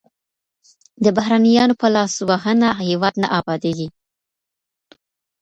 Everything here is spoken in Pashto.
د بهرنیانو په لاسوهنه هېواد نه ابادېږي.